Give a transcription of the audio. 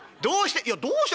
「いやどうしても。